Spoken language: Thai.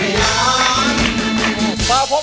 คุณหนุ่ยตอบ